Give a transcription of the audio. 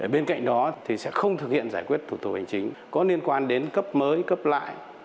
bên cạnh đó thì sẽ không thực hiện giải quyết thủ tục hành chính có liên quan đến cấp mới cấp lại